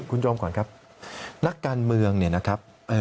คุณจอมขวัญครับนักการเมืองเนี่ยนะครับ